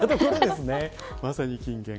まさに金言。